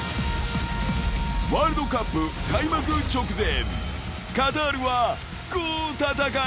［ワールドカップ開幕直前］